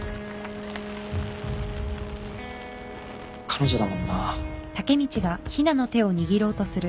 彼女だもんな。